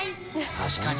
確かに。